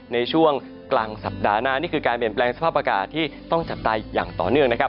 ในช่วงกลางสัปดาห์หน้านี่คือการเปลี่ยนแปลงสภาพอากาศที่ต้องจับตาอย่างต่อเนื่องนะครับ